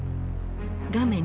画面